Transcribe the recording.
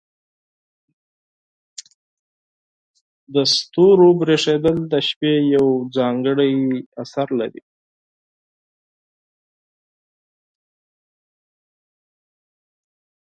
د ستورو چمک د شپې یو ځانګړی اثر لري.